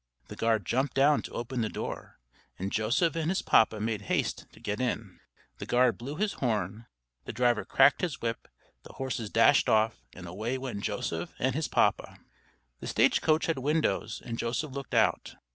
The guard jumped down to open the door, and Joseph and his papa made haste to get in. The guard blew his horn, the driver cracked his whip, the horses dashed off, and away went Joseph and his papa. The stage coach had windows, and Joseph looked out.